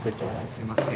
すいません。